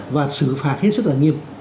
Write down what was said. và xử phạt hết sức là nghiêm